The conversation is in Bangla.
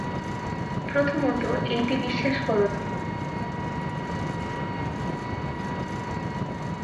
প্রথমত এইটি বিশ্বাস কর যে, জগতে প্রত্যেক জিনিষেরই একটি অর্থ আছে।